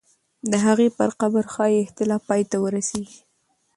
د هغې پر قبر ښایي اختلاف پای ته ورسېږي.